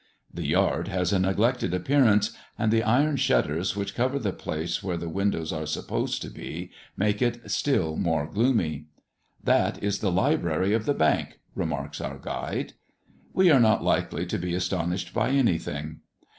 The yard has a neglected appearance, and the iron shutters which cover the place where the windows are supposed to be make it still more gloomy. "That is the library of the Bank," remarks our guide. We are not likely to be astonished by anything.